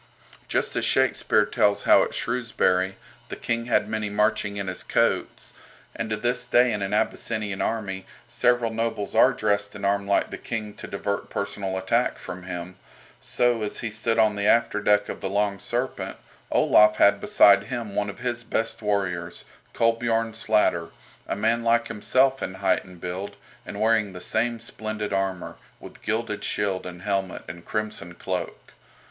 Just as Shakespeare tells how at Shrewsbury "the King had many marching in his coats," and to this day in an Abyssinian army several nobles are dressed and armed like the King to divert personal attack from him, so, as he stood on the after deck of the "Long Serpent," Olaf had beside him one of his best warriors, Kolbiorn Slatter, a man like himself in height and build, and wearing the same splendid armour, with gilded shield and helmet and crimson cloak.